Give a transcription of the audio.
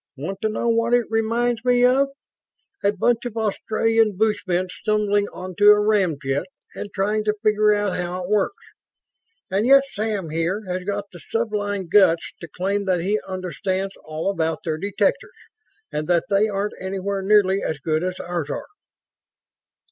"Want to know what it reminds me of? A bunch of Australian bushmen stumbling onto a ramjet and trying to figure out how it works. And yet Sam here has got the sublime guts to claim that he understands all about their detectors and that they aren't anywhere nearly as good as ours are."